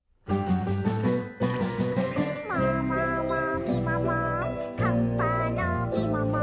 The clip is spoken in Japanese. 「もももみもも」「カッパのみもも」